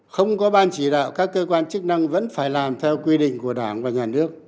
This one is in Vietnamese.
không có ban chỉ đạo các cơ quan chức năng vẫn phải làm theo quy định của đảng và nhà nước